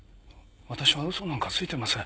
私は嘘なんかついてません。